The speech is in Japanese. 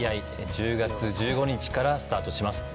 １０月１５日からスタートします